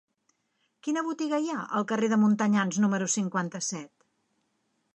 Quina botiga hi ha al carrer de Montanyans número cinquanta-set?